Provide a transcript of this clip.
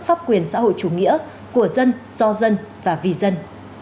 pháp quyền xã hội chủ nghĩa của dân do dân và vì dân